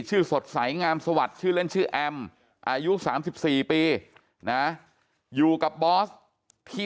สดใสงามสวัสดิ์ชื่อเล่นชื่อแอมอายุ๓๔ปีนะอยู่กับบอสที่